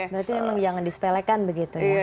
berarti memang jangan dispelekan begitu ya